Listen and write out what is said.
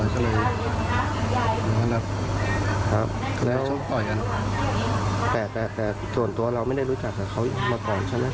แต่ส่วนตัวเราไม่ได้รู้จักเขาก็ยิ่งมาตอนเช่น